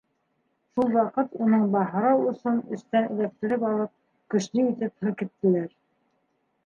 Шул ваҡыт уның баһрау осон эстән эләктереп алып, көслө итеп һелкеттеләр.